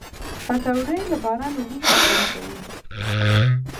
پکورې له باران وروسته خوند کوي